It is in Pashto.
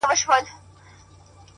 هغه چي په لفظونو کي بې هم پښه وهل”